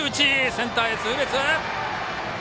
センターへ痛烈！